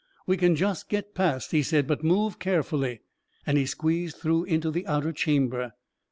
" We can just get past," he said; " but move care fully," and he squeezed through into the outer cham ber.